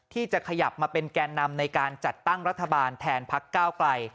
ที่จะขยับมาเป็นแก่นำในการจัดตั้งรัฐบาลแทนพักก้าวไกล